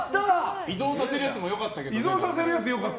依存させるやつも良かったけど。